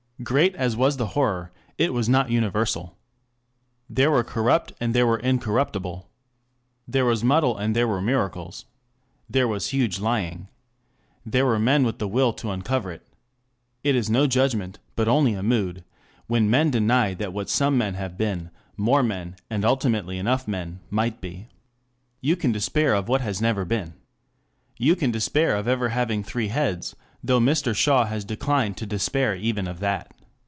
Great as was the horror, it was not universal. There were corrupt, and there were incorruptible. There was muddle and there were miracles. There was huge lying. There were men with the will to uncover it. It is no judgment, but only a mood, when men deny that what some men have been, more men, and ultimately enough men, might be. You can despair of what has never been. You can despair of ever having three heads, though Mr. Shaw has declined to despair even of that.